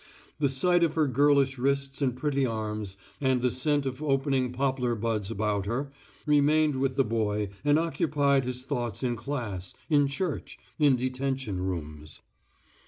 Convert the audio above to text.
The sight of her girlish wrists and pretty arms, and the scent of opening poplar buds about her, remained with the boy and occupied his thoughts in class, in church, in detention rooms.